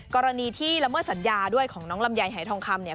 กรณีที่ละเมิดสัญญาด้วยของน้องลำไยหายทองคำเนี่ย